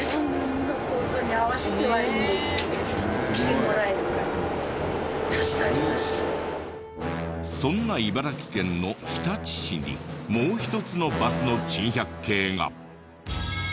今まではそんな茨城県の日立市にもう一つのバスの珍百景が。